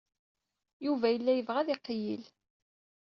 Yuba yella yebɣa ad iqeyyel.